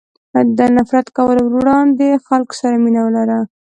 له نفرت کولو وړاندې خلکو سره مینه ولره.